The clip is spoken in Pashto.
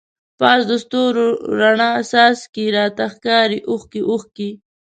پاس د ستورو راڼه څاڅکی، راته ښکاری اوښکی اوښکی